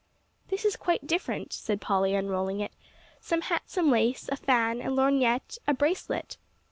"This is quite different," said Polly, unrolling it; "some handsome lace, a fan, a lorgnette, a bracelet."